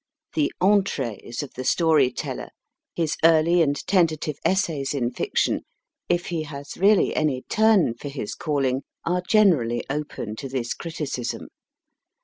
The entrees of the story teller his early and tentative essays in Fiction if he has really any turn for his calling, are generally open to this criticism.